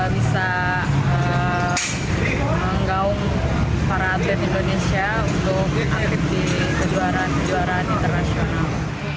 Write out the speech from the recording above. bisa menggaung para atlet indonesia untuk atlet di kejuaraan kejuaraan internasional